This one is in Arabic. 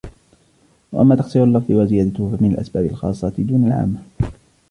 وَأَمَّا تَقْصِيرُ اللَّفْظِ وَزِيَادَتُهُ فَمِنْ الْأَسْبَابِ الْخَاصَّةِ دُونَ الْعَامَّةِ